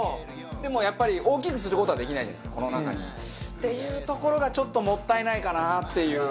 でもやっぱり大きくする事はできないじゃないですかこの中に。っていうところがちょっともったいないかなっていう。